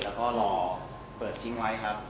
แล้วก็รอเปิดทิ้งไว้ครับ